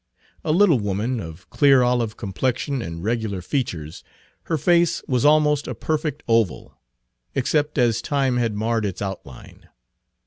A little woman, of clear olive complexion and regular features, her face was almost a perfect oval, except as time had marred its outline.